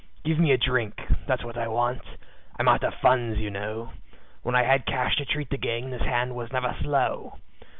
"Give me a drink that's what I want I'm out of funds, you know, When I had cash to treat the gang this hand was never slow.